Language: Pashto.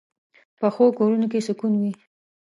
پخو کورونو کې سکون وي